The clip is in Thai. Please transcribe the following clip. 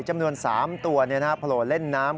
จำนวน๓ตัวในหน้าโผล่เล่นน้ำ